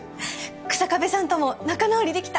日下部さんとも仲直りできた。